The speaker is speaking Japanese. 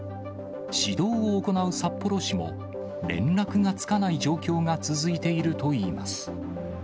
指導を行う札幌市も、連絡がつかない状況が続いているといいます。